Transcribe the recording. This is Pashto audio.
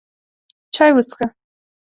چای وڅښه!